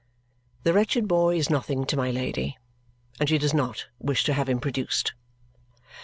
The wretched boy is nothing to my Lady, and she does NOT wish to have him produced.